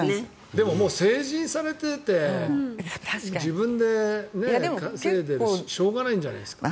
でも、もう成人されていて自分で稼いでるししょうがないんじゃないですか。